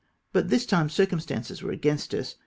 But this time circumstances were against us.